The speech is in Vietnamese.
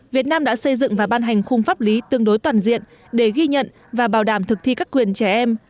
việt nam đã xây dựng và ban hành khung pháp lý tương đối toàn diện để ghi nhận và bảo đảm thực thi các quyền trẻ em